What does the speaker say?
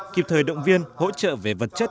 kịp thời động viên hỗ trợ về vật chất